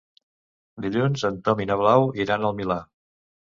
Dilluns en Tom i na Blau iran al Milà.